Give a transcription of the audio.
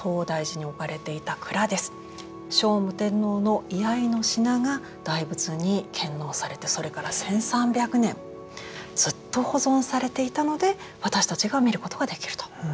聖武天皇の遺愛の品が大仏に献納されてそれから１，３００年ずっと保存されていたので私たちが見ることができると。